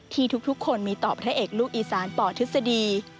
ที่ทุกคนมีต่อพระเอกลูกอีสานปทฤษฎี